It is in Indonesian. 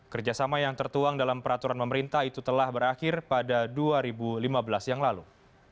kerjasama yang tertuang dalam peraturan pemerintah itu telah berakhir pada dua ribu lima belas yang lalu